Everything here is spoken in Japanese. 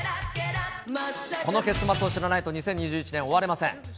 この結末を知らないと２０２１年、終われません。